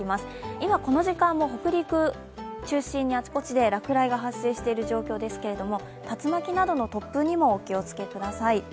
今、この時間も北陸中心にあちこちで落雷が発生している状況ですけど竜巻などの突風にもお気をつけください。